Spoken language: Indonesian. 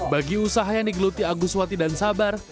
bagi usaha yang digeluti agus wati dan sabar